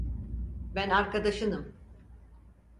Ben arkadaşınım.